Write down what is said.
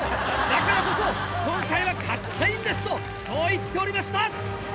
「だからこそ今回は勝ちたいんです」とそう言っておりました。